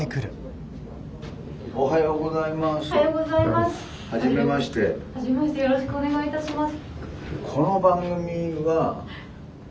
おはようございます。